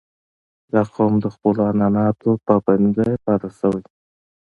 • دا قوم د خپلو عنعناتو پابند پاتې شوی.